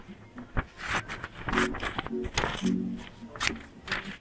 Actualmente es Embajador de Bolivia ante el Reino de los Países Bajos.